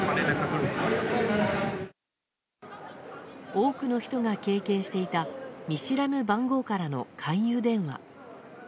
多くの人が経験していた見知らぬ番号からの勧誘電話。